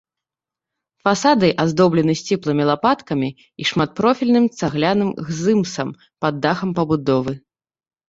Фасады аздоблены сціплымі лапаткамі і шматпрофільным цагляным гзымсам пад дахам пабудовы.